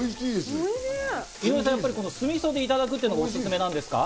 井上さん、酢みそでいただくのがおすすめなんですか？